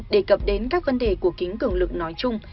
đề cập đến các vấn đề của kính cường lực nói chung